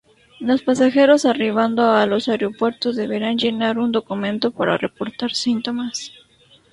Los pasajeros arribando a los aeropuertos deberán llenar un documento para reportar síntomas.